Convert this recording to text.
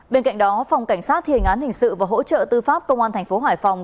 bên cạnh đó phòng cảnh sát thi hình án hình sự và hỗ trợ tư pháp công an tp hải phòng